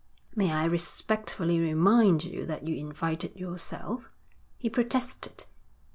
'May I respectfully remind you that you invited yourself?' he protested.